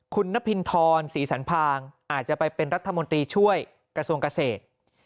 คุณนพินทรศรีสันพางอาจจะไปเป็นรัฐมนตรีช่วยกระทรวงเกษตร